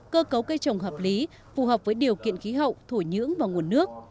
cơ cấu cây trồng hợp lý phù hợp với điều kiện khí hậu thổi nhưỡng và nguồn nước